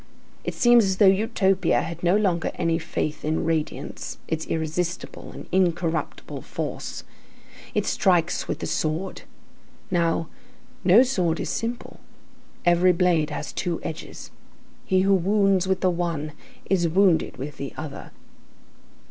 It seems as though Utopia had no longer any faith in radiance, its irresistible and incorruptible force. It strikes with the sword. Now, no sword is simple. Every blade has two edges; he who wounds with the one is wounded with the other.